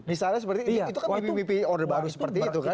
misalnya seperti itu kan bppi order baru seperti itu kan